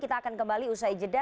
kita akan kembali usai jeda